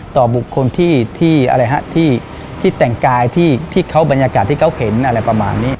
ที่เขาบรรยากาศที่เขาเห็นอะไรประมาณนี้